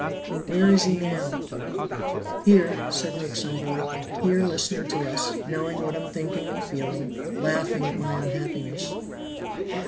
"Where is he now?" "Here," said Nick somberly. "Here listening to us, knowing what I'm thinking and feeling, laughing at my unhappiness."